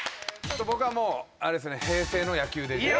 僕はもうあれですね平成の野球でいきます。